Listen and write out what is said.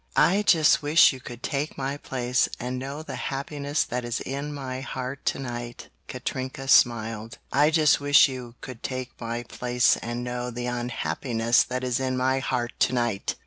"I just wish you could take my place and know the happiness that is in my heart tonight," Katrinka smiled. "I just wish you could take my place and know the unhappiness that is in my heart tonight!"